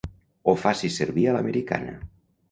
Ho faci servir a l'americana.